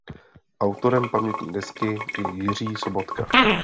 Autorem pamětní desky je Jiří Sobotka.